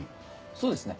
そうですね。